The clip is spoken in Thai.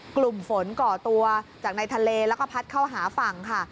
กลุ่มฝนก่อตัวจากในทะเลแล้วก็พัดเข้าหาฝั่งค่ะ